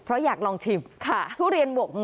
เพราะอยากลองชิมทุเรียนบกมือ